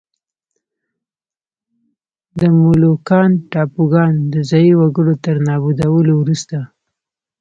د مولوکان ټاپوګان د ځايي وګړو تر نابودولو وروسته.